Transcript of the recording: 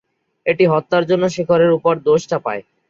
এটি হত্যার জন্য শেখরের উপর দোষ চাপায়।